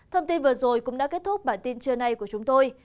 thông tin vừa rồi cũng đã kết thúc bản tin trưa nay của chúng tôi